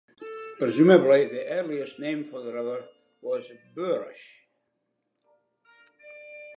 Presumably the earliest name for the river was Boruch.